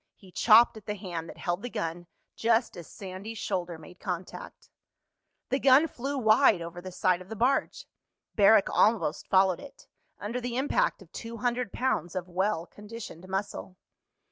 He chopped at the hand that held the gun just as Sandy's shoulder made contact. The gun flew wide over the side of the barge. Barrack almost followed it, under the impact of two hundred pounds of well conditioned muscle.